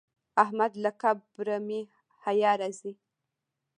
احمد له قبره مې حیا راځي.